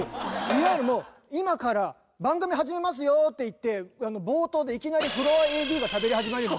いわゆるもう「今から番組始めますよ」って言って冒頭でいきなりフロアＡＤがしゃべり始めるようなもの。